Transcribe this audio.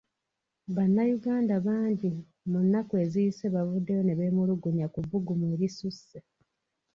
Bannayuganda bangi mu nnaku eziyise bavuddeyo ne beemulugunya ku bbugumu erisusse.